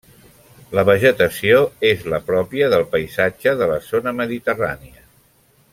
La vegetació és la pròpia del paisatge de la zona mediterrània.